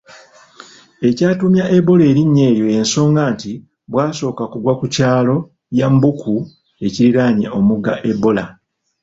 Ekyatuumya Ebola erinnya eryo y'ensonga nti bwasooka kugwa ku kyalo Yambuku ekiriraanye omugga Ebola